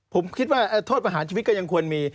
ผมคิดว่าโทษประหารชีวิตก็ยังควรมี